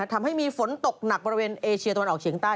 ทำให้มีฝนตกหนักบริเวณเอเชียตะวันออกเฉียงใต้